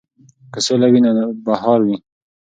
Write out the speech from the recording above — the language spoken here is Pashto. که سوله وي نو بهار وي.